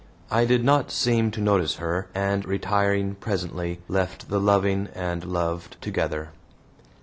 I did not seem to notice her, and, retiring presently, left the loving and loved together.